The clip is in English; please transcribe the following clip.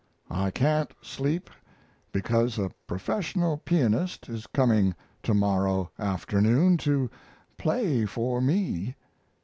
I can't sleep because a professional pianist is coming to morrow afternoon to play for me.